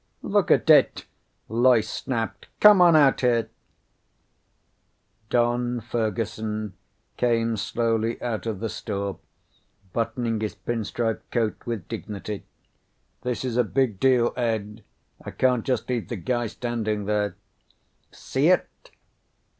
"Look at it!" Loyce snapped. "Come on out here!" Don Fergusson came slowly out of the store, buttoning his pin stripe coat with dignity. "This is a big deal, Ed. I can't just leave the guy standing there." "See it?"